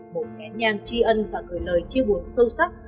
một kẻ nhàng tri ân và gửi lời chia buồn sâu sắc